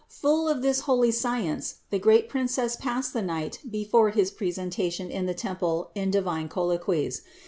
Full of this holy science the great Princess passed the night before his presentation in the temple in divine colloquies.